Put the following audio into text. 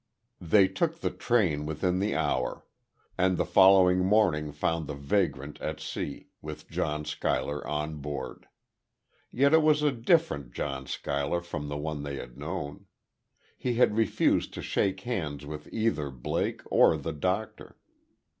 They took the train within the hour. And the following morning found the "Vagrant" at sea, with John Schuyler on board. Yet it was a different John Schuyler from the one they had known. He had refused to shake hands with either Blake, or the doctor.